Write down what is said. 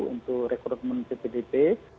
untuk rekrutmen cpdp